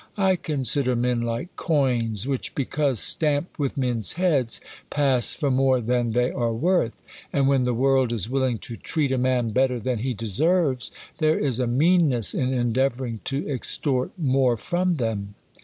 I consider men like coins, which, because stamped with men's heads, pass for more than thcv are worth. And v/hen the world is willing to treat a man better than he deserves, there is a meanness in endeavouring to extoj t more ffom them.